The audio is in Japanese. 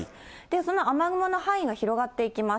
その雨雲の範囲が広がっていきます。